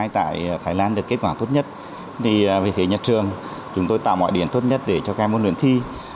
tại thái lan được kết quả tốt nhất về phía nhà trường chúng tôi tạo mọi điểm tốt nhất để cho các em ôn luyện thi